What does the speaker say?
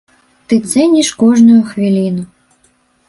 Ты цэніш кожную хвіліну.